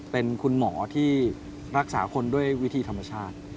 เป็นคุณหมอที่รักษาคนด้วยวิธีธรรมชาติ